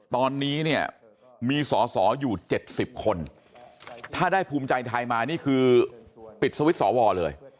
ตอนนี้เนี่ยมีสอสออยู่๗๐คนถ้าได้ภูมิใจไทยมานี่คือปิดสวิตช์สวเลย